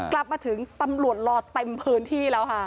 กลับมาถึงตำรวจรอเต็มพื้นที่แล้วค่ะ